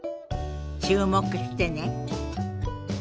注目してね。